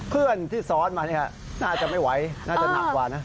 เพื่อนที่ซ้อนมาเนี่ยน่าจะไม่ไหวน่าจะหนักกว่านะ